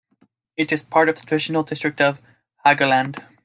It is part of the traditional district of Haugaland.